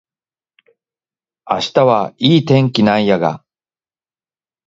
明日はいい天気なんやが